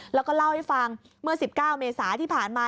แล้วก็เล่าให้ฟังเมื่อ๑๙เมษาที่ผ่านมา